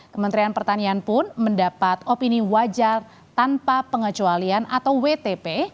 kementerian pertanian pun mendapat opini wajar tanpa pengecualian atau wtp